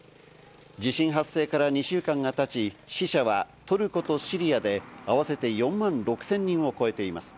地震発生から２週間が経ち、死者はトルコとシリアで合わせて４万６０００人を超えています。